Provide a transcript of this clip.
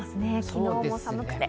昨日も寒くて。